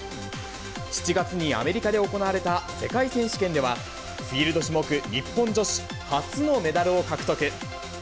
７月にアメリカで行われた世界選手権では、フィールド種目日本女子初のメダルを獲得。